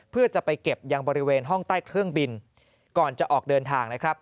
เพื่อจะไปเก็บยังบริเวณห้องใต้เครื่องบินก่อนจะออกเดินทางนะครับ